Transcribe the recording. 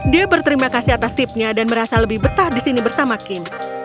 dia berterima kasih atas tipnya dan merasa lebih betah di sini bersama kim